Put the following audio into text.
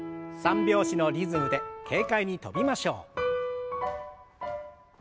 ３拍子のリズムで軽快に跳びましょう。